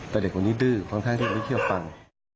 แต่เด็กวันนี้ดื้อคล้ามค่าได้ก็ไม่เคียบปัง